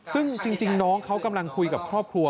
ซึ่งจริงน้องเขากำลังคุยกับครอบครัว